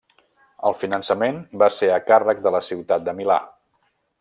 El finançament va ser a càrrec de la ciutat de Milà.